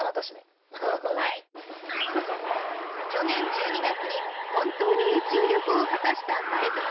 去年１２月に本当に宇宙旅行を果たした前澤さん。